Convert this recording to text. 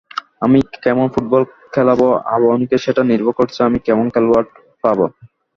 আমি কেমন ফুটবল খেলাব আবাহনীকে, সেটা নির্ভর করছে আমি কেমন খেলোয়াড় পাব।